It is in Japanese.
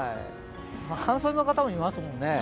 半袖の方もいますもんね。